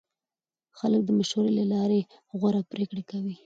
خلک د مشورې له لارې غوره پرېکړې کوي